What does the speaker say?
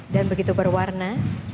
dan begitu berwarna